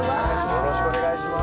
よろしくお願いします。